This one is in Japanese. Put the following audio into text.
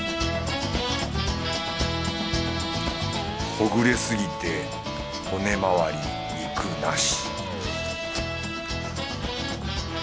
ほぐれすぎて骨周り肉なし